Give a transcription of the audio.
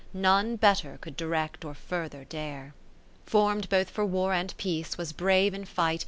None better could direct or further dare. Form'd both for war and peace^ was brave in fight.